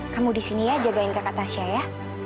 kamu di sini ya jagain kakak tasya ya